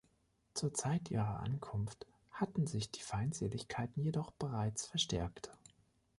Zur Zeit ihrer Ankunft hatten sich die Feindseligkeiten jedoch bereits verstärkt.